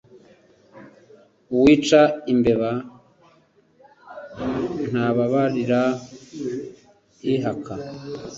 Uwica imbeba ntababarira ihaka.